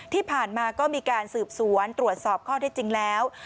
ที่ผ่านมาก็มีการสืบสวนตรวจสอบข้อที่จริงแล้ว